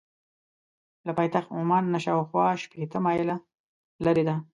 له پایتخت عمان نه شاخوا شپېته مایله لرې ده.